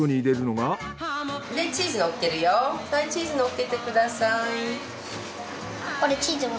はいチーズのっけてください。